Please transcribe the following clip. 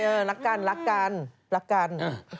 รักกันรักกันรักกัน